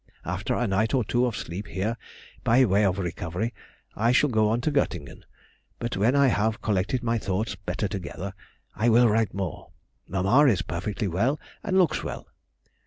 After a night or two of sleep here (by way of recovery) I shall go on to Göttingen; but when I have collected my thoughts better together I will write more. Mamma is perfectly well and looks well.